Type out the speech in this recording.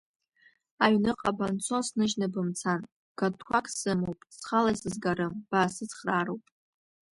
Аҩныҟа банцо сныжьны бымцан, гатәқәак сымоуп, схала исызгарым, баасыцхраароуп.